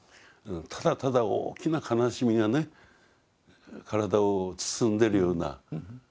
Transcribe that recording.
ただただ大きな悲しみがね体を包んでるような感じがしました。